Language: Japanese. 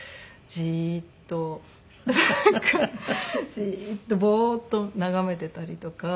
じーっとぼーっと眺めていたりとか。